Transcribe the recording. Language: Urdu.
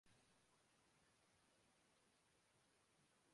دوسری جانب اداکار شاہد کپور نے